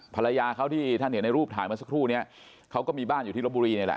ภรรยาเขาที่ท่านเห็นในรูปถ่ายเมื่อสักครู่นี้เขาก็มีบ้านอยู่ที่ลบบุรีนี่แหละ